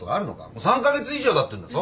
もう３カ月以上たってんだぞ。